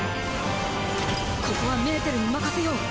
ここはメーテルに任せよう。